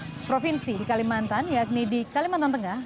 di provinsi di kalimantan yakni di kalimantan tengah